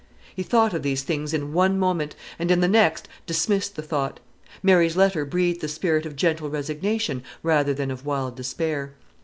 He thought of these things in one moment, and in the next dismissed the thought. Mary's letter breathed the spirit of gentle resignation rather than of wild despair.